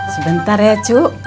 sebentar ya cuk